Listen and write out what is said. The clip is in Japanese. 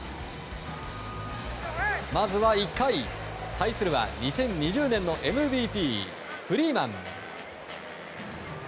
まずは１回、対するは２０２０年のＭＶＰフリーマン。